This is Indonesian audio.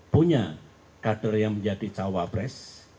punya kader yang menjadi cawapres